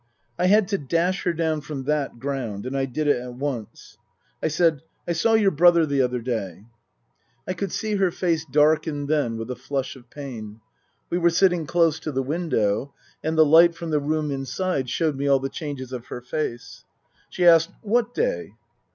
I had to dash her down from that ground and I did it at once. I said, " I saw your brother the other day." Book I : My Book 71 I could see her face darken then with a flush of pain. We were sitting close to the window, and the light from the room inside showed me all the changes of her face. She asked, " What day